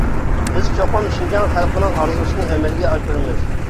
بىز چوقۇم شىنجاڭ خەلقىنىڭ ئارزۇسىنى ئەمەلگە ئاشۇرىمىز!